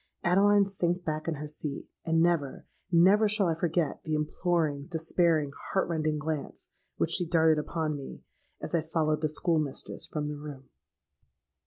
—Adeline sank back in her seat: and never—never shall I forget the imploring, despairing, heart rending glance which she darted upon me, as I followed the school mistress from the room.